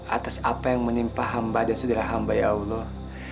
atas apa yang menimpa hamba dan sederhana hamba ya allah